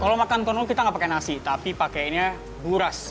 kalau makan kontrol kita nggak pakai nasi tapi pakai ini buras